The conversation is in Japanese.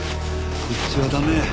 こっちは駄目。